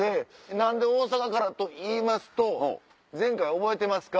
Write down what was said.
何で大阪からかといいますと前回覚えてますか？